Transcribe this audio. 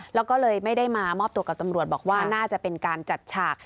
แล้วก็เลยไม่ได้มามอบตัวกับตำรวจบอกว่าน่าจะเป็นการจัดฉาก